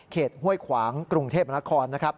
เขตห้วยขวางกรุงเทพมนาคม